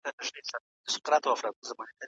ما ګوربت ولید آزاد سو له قفسه